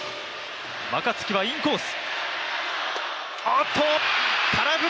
若月はインコース。